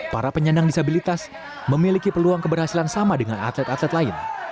para penyandang disabilitas memiliki peluang keberhasilan sama dengan atlet atlet lain